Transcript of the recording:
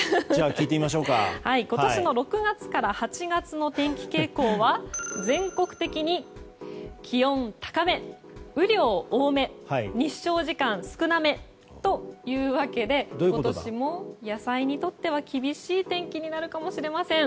今年の６月から８月の天気傾向は全国的に気温高め、雨量多め日照時間少なめということで今年も野菜にとっては厳しい天気になるかもしれません。